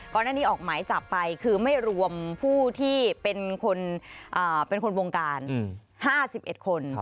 ก่อนหน้านี้ออกหมายจับไปคือไม่รวมผู้ที่เป็นคนวงการ๕๑คน